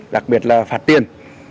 đặc biệt là phạt tiền